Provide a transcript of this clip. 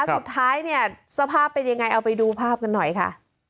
สุดท้ายเนี่ยสภาพเป็นยังไงเอาไปดูภาพกันหน่อยค่ะ